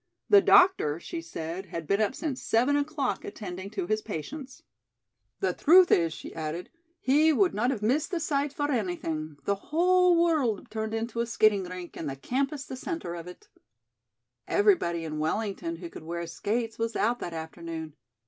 The doctor, she said, had been up since seven o'clock attending to his patients. "The truth is," she added, "he would not have missed the sight for anything the whole world turned into a skating rink and the campus the centre of it." Everybody in Wellington who could wear skates was out that afternoon.